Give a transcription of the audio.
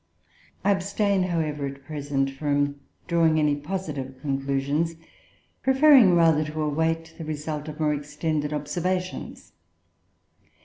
"I abstain, however, at present from drawing any positive conclusions, preferring rather to await the result of more extended observations."